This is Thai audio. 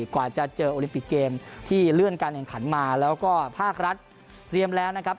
กว่าจะเจอโอลิมปิกเกมที่เลื่อนการแข่งขันมาแล้วก็ภาครัฐเตรียมแล้วนะครับ